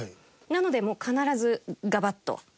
なので必ずガバッと。